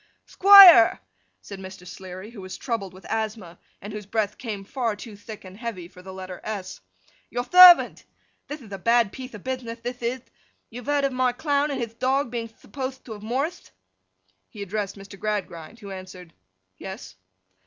'Thquire!' said Mr. Sleary, who was troubled with asthma, and whose breath came far too thick and heavy for the letter s, 'Your thervant! Thith ith a bad piethe of bithnith, thith ith. You've heard of my Clown and hith dog being thuppothed to have morrithed?' He addressed Mr. Gradgrind, who answered 'Yes.